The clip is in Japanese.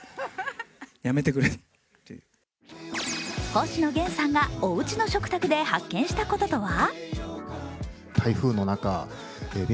しかし星野源さんが、おうちの食卓で発見したこととは？